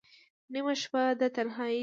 نیمه شپه ده تنهایی ده